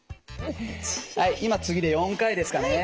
はい今次で４回ですからね。